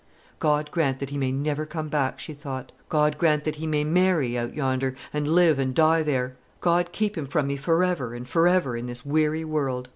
"God grant that he may never come back!" she thought. "God grant that he may marry out yonder, and live and die there! God keep him from me for ever and for ever in this weary world!"